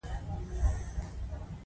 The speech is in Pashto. ما سره ستا حق نسته.